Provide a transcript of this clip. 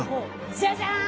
ジャジャーン！